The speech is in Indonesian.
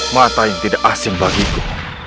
mata yang tidak asing bagiku